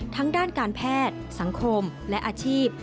ทั้งด้านการแพทย์สังคมและอาชีพ